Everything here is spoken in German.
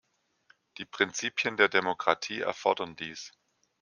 Die Prinzipien der Demokratie erfordern dies.